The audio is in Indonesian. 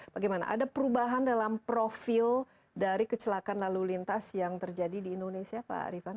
bagaimana ada perubahan dalam profil dari kecelakaan lalu lintas yang terjadi di indonesia pak ariefan